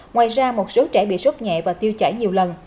ngoài ra một số trẻ bị sốt nhẹ và tiêu chảy nhiều lần